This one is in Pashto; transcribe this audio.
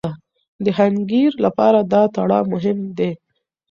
د حنکير لپاره دا تړاو مهم دی.